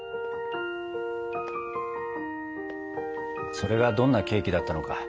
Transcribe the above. それがどんなケーキだったのか